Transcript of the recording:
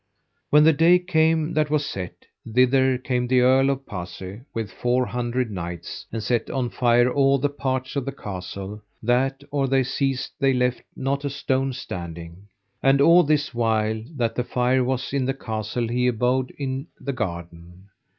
When the day came that was set, thither came the Earl of Pase with four hundred knights, and set on fire all the parts of the castle, that or they ceased they left not a stone standing. And all this while that the fire was in the castle he abode in the garden.